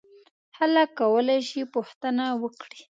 خلک کولای شي پوښتنه وکړي.